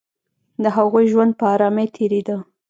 د هغوی ژوند په آرامۍ تېرېده